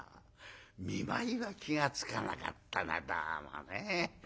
見舞いは気が付かなかったなどうもね。